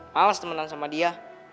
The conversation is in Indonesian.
malas temenan sama dia